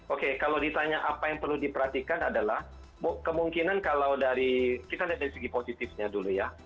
oke kalau ditanya apa yang perlu diperhatikan adalah kemungkinan kalau dari kita lihat dari segi positifnya dulu ya